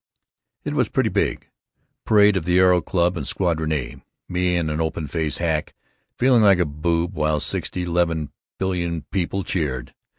It was pretty big. Parade of the Aero Club and Squadron A, me in an open face hack, feeling like a boob while sixty leven billion people cheered.